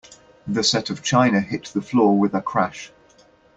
The set of china hit the floor with a crash.